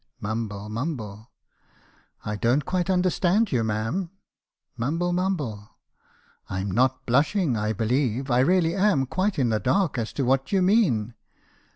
"Mumble, mumble. " 'I don't quite understand you, ma'am.' "Mumble, mumble. " 'I'm not blushing, 1 believe. I really am quite in the dark as to what you mean.'